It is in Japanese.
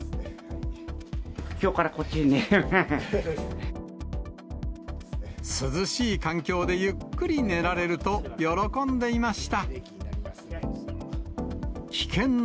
きょうからこっちで寝れるね涼しい環境でゆっくり寝られると、喜んでいました。